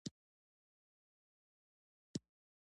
دا د ګډو بشري ارزښتونو مجموعې او قوانین دي.